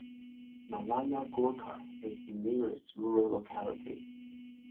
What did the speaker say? Malaya Gorka is the nearest rural locality.